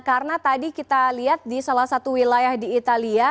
karena tadi kita lihat di salah satu wilayah di italia